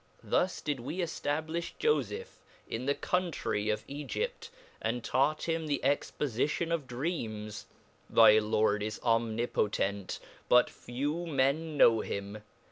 Thus did weeftablifli fofeph in the Country ofEi^pt,3ind taught him the expofition of dreams, thy Lord is Omnipotent, but few men know him